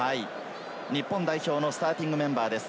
日本代表のスターティングメンバーです。